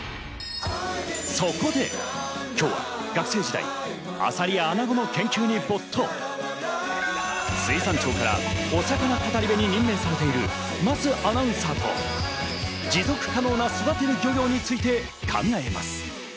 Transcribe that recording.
そこで今日は学生時代、アサリやアナゴの研究に没頭、水産庁からお魚かたりべに任命されている桝アナウンサーと持続可能な育てる漁業について考えます。